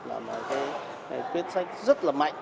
là một cái quyết sách rất là mạnh